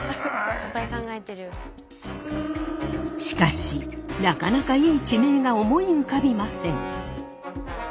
しかしなかなかいい地名が思い浮かびません。